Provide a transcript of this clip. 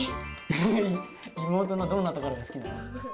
妹のどんなところが好きなの？